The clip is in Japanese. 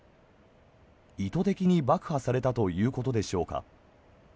意図的に爆破されたということでしょうか。